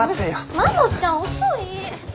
マモちゃん遅い！